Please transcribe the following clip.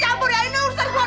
saya akan hasut semua warga